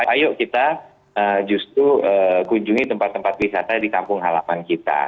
ayo kita justru kunjungi tempat tempat wisata di kampung halaman kita